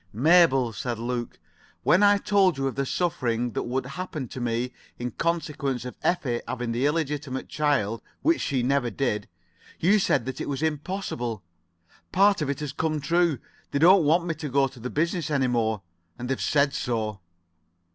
"Mabel," said Luke, "when I told you of the suffering that would happen to me in consequence of Effie having the illegitimate child, which she never did, you said that it was all impossible. Part of it has come true. They don't want me to go to the business any more, and they've said so."